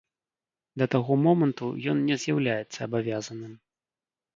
Да таго моманту ён не з'яўляецца абавязаным.